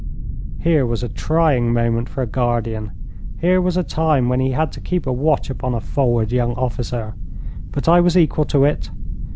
Here was a trying moment for a guardian! Here was a time when he had to keep a watch upon a forward young officer. But I was equal to it.